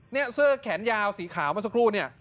เนี่ยเสื้อแขนยาวสีขาวเมื่อสักครู่เนี่ย